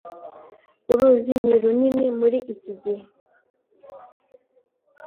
Uruzi ni runini muri iki gihe.